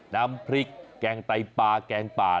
น้ำพริกแกงไตปลาแกงป่า